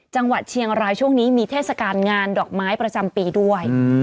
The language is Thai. จังหวัดเชียงรายช่วงนี้มีเทศกาลงานดอกไม้ประจำปีด้วย